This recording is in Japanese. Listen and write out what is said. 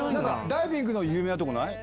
ダイビングの有名なとこない？